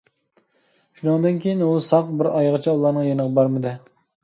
شۇنىڭدىن كىيىن ئۇ ساق بىر ئايغىچە ئۇلارنىڭ يېنىغا بارمىدى.